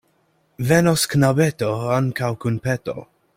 Venos knabeto ankaŭ kun peto.